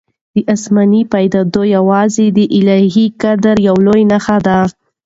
دا آسماني پدیده یوازې د الهي قدرت یوه لویه نښه ده.